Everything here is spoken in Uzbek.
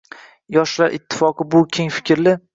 Yoshlar ittifoqi bu keng fikrli